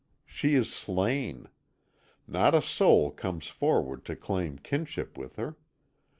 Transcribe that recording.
She is slain. Not a soul comes forward to claim kinship with her.